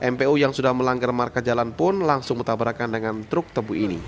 mpu yang sudah melanggar marka jalan pun langsung bertabrakan dengan truk tebu ini